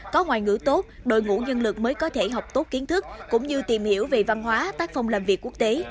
có ngoại ngữ tốt đội ngũ nhân lực mới có thể học tốt kiến thức cũng như tìm hiểu về văn hóa tác phong làm việc quốc tế